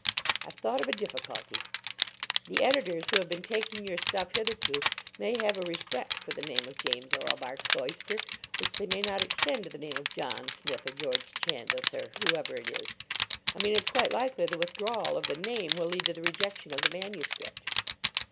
"I've thought of a difficulty. The editors who have been taking your stuff hitherto may have a respect for the name of James Orlebar Cloyster which they may not extend to the name of John Smith or George Chandos, or whoever it is. I mean, it's quite likely the withdrawal of the name will lead to the rejection of the manuscript."